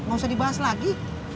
gak usah dibahas lagi